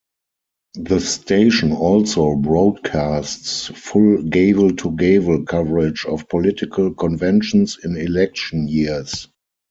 The station also broadcasts full gavel-to-gavel coverage of political conventions in election years.